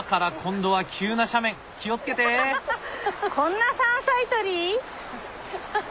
どんな山菜採り？